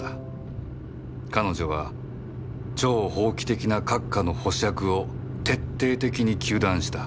彼女は超法規的な閣下の保釈を徹底的に糾弾した